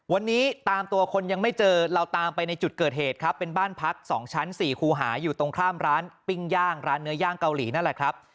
วันนี้ตามตัวคนยังไม่เจอเราตามไปในจุดเกิดเหตุครับเป็นบ้านพัก๒ชั้น๔คูหาอยู่ตรงข้ามร้านปิ้งย่างร้านเนื้อย่างเกาหลีนั่นแหละครับ